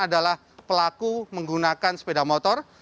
adalah pelaku menggunakan sepeda motor